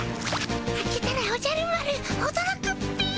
開けたらおじゃる丸おどろくっピィ。